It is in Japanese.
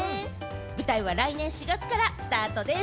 舞台は来年４月からスタートです。